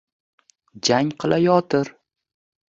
Jang qilayotir.